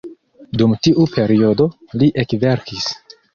Dum tiu periodo, Li ekverkis.